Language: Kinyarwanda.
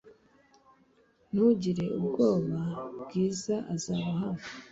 Ntugire ubwoba .Bwiza azaba hano .